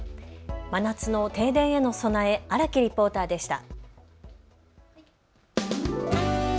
真夏の停電への備え、荒木リポーターでした。